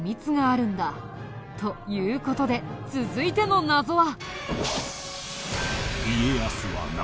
という事で続いての謎は。